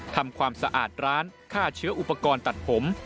ทำความสะอาดร้านฆ่าเชื้ออุปกรณ์ตัดผม